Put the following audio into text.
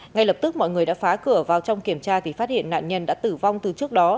ngay lập tức mọi người đã phá cửa vào trong kiểm tra thì phát hiện nạn nhân đã tử vong từ trước đó